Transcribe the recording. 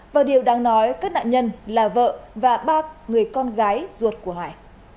và điều đáng nói các nạn nhân là vợ và ba người con gái ruột của hải